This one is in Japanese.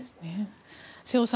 瀬尾さん